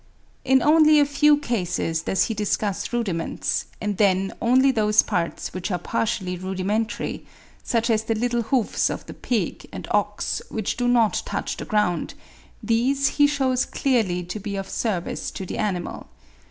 In only a few cases does he discuss rudiments, and then only those parts which are partially rudimentary, such as the little hoofs of the pig and ox, which do not touch the ground; these he shews clearly to be of service to the animal.